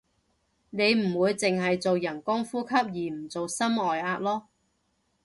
你唔會淨係做人工呼吸而唔做心外壓囉